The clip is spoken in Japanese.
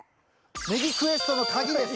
ネギクエストの鍵です。